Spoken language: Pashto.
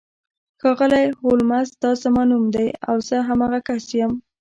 ښاغلی هولمز دا زما نوم دی او زه همغه کس یم